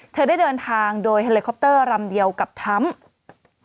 เธอได้เดินทางโดยเฮลิคอปเตอร์รำเดียวกับทรัมป์